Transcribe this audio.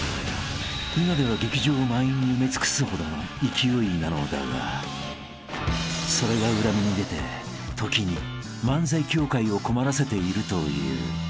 ［今では劇場を満員に埋め尽くすほどの勢いなのだがそれが裏目に出て時に漫才協会を困らせているという］